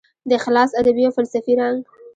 د اخلاص ادبي او فلسفي رنګ